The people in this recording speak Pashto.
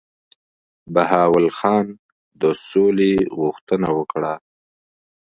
بهاول خان د سولي غوښتنه وکړه.